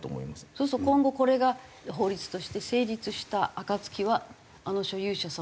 そうすると今後これが法律として成立した暁はあの所有者さんは。